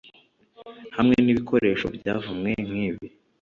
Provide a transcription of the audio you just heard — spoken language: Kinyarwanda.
hamwe nibikoresho byavumwe nkibi,